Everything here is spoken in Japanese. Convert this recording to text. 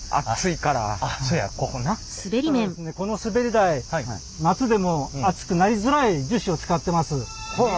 このすべり台夏でも熱くなりづらい樹脂を使ってます。